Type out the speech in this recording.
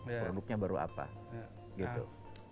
produknya baru apa gitu